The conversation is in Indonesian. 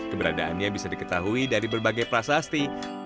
keberadaannya bisa diketahui dari berbagai prasasti